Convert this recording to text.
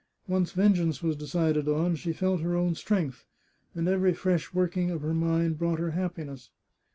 Once vengeance was decided on, she felt her own strength, and every fresh working of her mind brought her happiness.